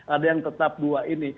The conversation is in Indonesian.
ada yang tetap dua ini